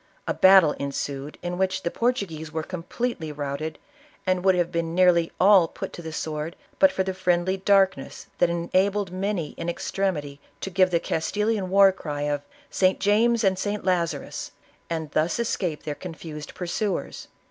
A battle ensued, in which the Portuguese were completely routed and would have been, nearly all put to the sword but for the friendly darkness that enabled many in extremity to give the Castilian war cry of " St. James and St. Lazarus,'' and thus escnpc their confused pursuers.